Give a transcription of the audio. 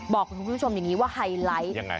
บอกคุณผู้ชมอย่างนี้ว่าไฮไลท์ยังไง